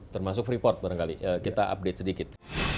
termasuk freeport barangkali kita update sedikit